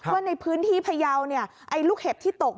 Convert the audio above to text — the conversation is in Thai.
ว่าในพื้นที่พยาวลูกเห็บที่ตก